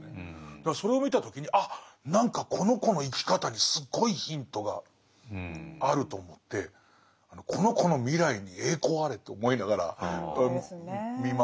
だからそれを見た時に「あ何かこの子の生き方にすごいヒントがある」と思ってこの子の未来に栄光あれと思いながら見守っちゃって。